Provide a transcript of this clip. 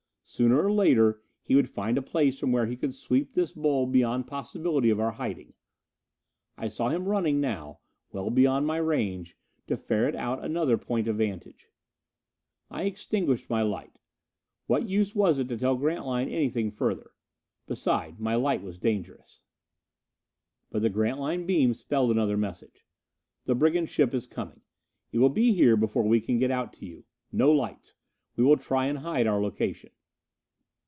Sooner or later he would find a place from where he could sweep this bowl beyond possibility of our hiding. I saw him running now, well beyond my range, to ferret out another point of vantage. I extinguished my light. What use was it to tell Grantline anything further? Besides, my light was dangerous. But the Grantline beam spelled another message: "_The brigand ship is coming! It will be here before we can get out to you! No lights! We will try and hide our location.